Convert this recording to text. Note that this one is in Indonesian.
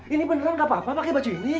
ini beneran gak apa apa pakai baju ini